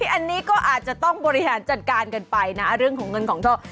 อันนี้ก็อาจจะต้องบริหารจัดการกันไปนะเรื่องของเงินของโชค